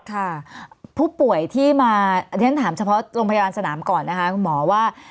ค่ะผู้ป่วยที่มาเรียนถามเฉพาะโรงพยาบาลสนามก่อนนะคะคุณหมอว่า